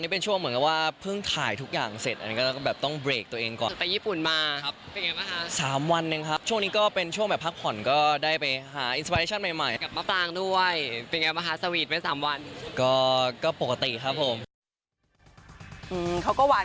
เป็นยังไหมคะสวีทเป็น๓วัน